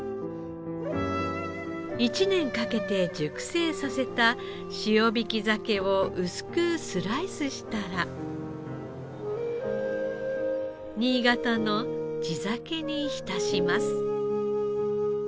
１年かけて熟成させた塩引き鮭を薄くスライスしたら新潟の地酒に浸します。